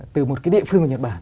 từ một cái địa phương nhật bản